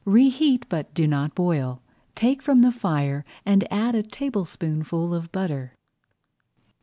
Reheat, but do not boil. Take from the fire and add a tablespoonful of butter.